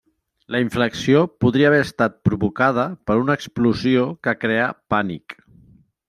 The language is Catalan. La inflexió podria haver estat provocada per una explosió que creà pànic.